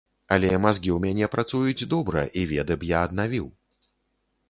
Але мазгі ў мяне працуюць добра, і веды б я аднавіў.